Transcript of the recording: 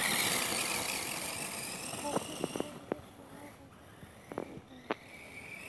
মুখোশ খুলে নিজের চেহারা দেখাচ্ছ না কেন?